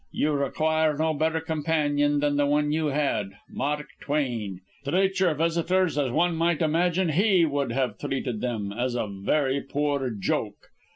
You require no better companion than the one you had: Mark Twain! Treat your visitors as one might imagine he would have treated them; as a very poor joke!